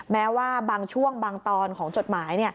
แม้ว่าบางช่วงบางตอนของจดหมาย